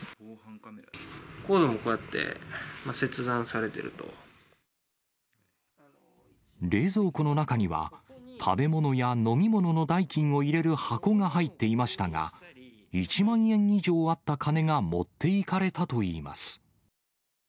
コードもこうやって切断されてる冷蔵庫の中には、食べ物や飲み物の代金を入れる箱が入っていましたが、１万円以上あった金が持っていかれたといいます。